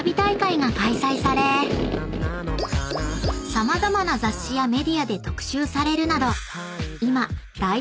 ［様々な雑誌やメディアで特集されるなど今］